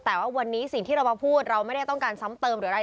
แต่ว่าวันนี้สิ่งที่เรามาพูดเราไม่ได้ต้องการซ้ำเติมหรืออะไร